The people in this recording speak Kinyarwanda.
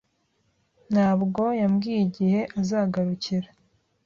Ntabwo yambwiye igihe azagarukira.